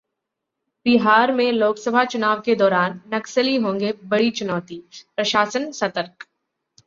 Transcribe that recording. बिहार में लोकसभा चुनाव के दौरान नक्सली होंगे बड़ी चुनौती, प्रशासन सतर्क